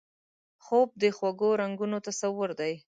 خوب د خوږو رنګونو تصور دی